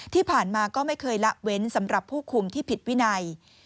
ที่ผ่านมาก็ไม่เคยละเว้นสำหรับผู้คุมที่ผิดวินัย